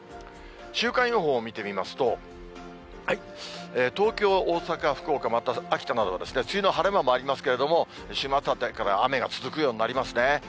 週間予報を見てみますと、東京、大阪、福岡、また秋田などは、梅雨の晴れ間もありますけれども、週末あたりから雨が続くようになりますね。